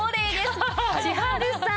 千春さん